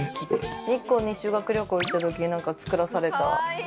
日光に修学旅行行ったときに作らされた。